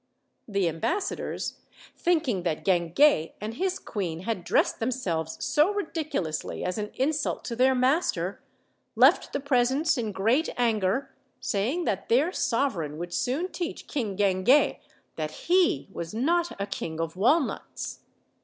The ambassadors, thinking that Guinguet and his queen had dressed themselves so ridiculously as an insult to their master, left the presence in great anger, saying that their sovereign would soon teach King Guinguet that he was not a king of walnuts.